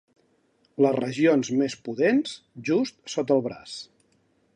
Les regions més pudents, just sota el braç.